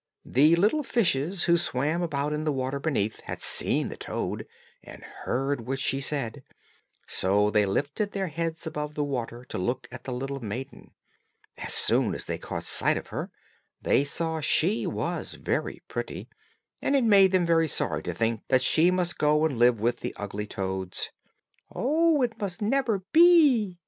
The little fishes, who swam about in the water beneath, had seen the toad, and heard what she said, so they lifted their heads above the water to look at the little maiden. As soon as they caught sight of her, they saw she was very pretty, and it made them very sorry to think that she must go and live with the ugly toads. "No, it must never be!"